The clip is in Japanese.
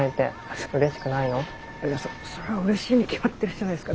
そそれはうれしいに決まってるじゃないですか。